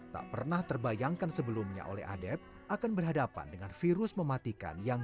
tak pernah terbayangkan sebelumnya oleh adep akan berhadapan dengan virus mematikan yang